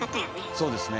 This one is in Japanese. そうですね。